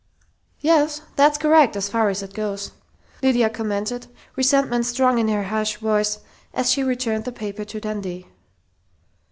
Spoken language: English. "Yes, that's correct, as far as it goes," Lydia commented, resentment strong in her harsh voice as she returned the paper to Dundee.